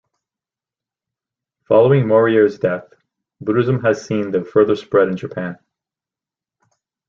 Following Moriya's death, Buddhism has seen the further spread in Japan.